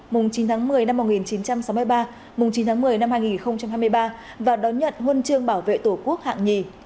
mùng chín tháng một mươi năm một nghìn chín trăm sáu mươi ba mùng chín tháng một mươi năm hai nghìn hai mươi ba và đón nhận huân chương bảo vệ tổ quốc hạng nhì